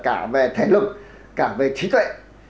cả về thể lực cả về trí tuệ